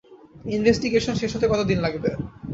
Investigation শেষ হতে কত দিন লাগবে?